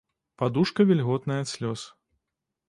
Падушка вільготная ад слёз.